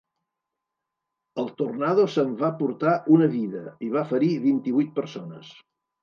El tornado s'en va portar una vida i va ferir vint-i-vuit persones.